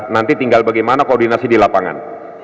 nanti tinggal bagaimana koordinasi di lapangan